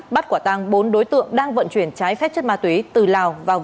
bắt quả tăng bốn đối tượng đang vận chuyển trái phép chất ma túy từ lào